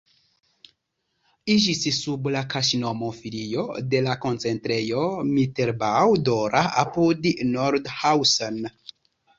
Iĝis sub la kaŝnomo filio de la koncentrejo Mittelbau-Dora apud Nordhausen.